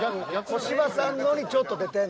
小芝さんのにちょっと出てんねん。